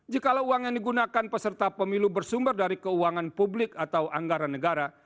jikalau uang yang digunakan peserta pemilu bersumber dari keuangan publik atau anggaran negara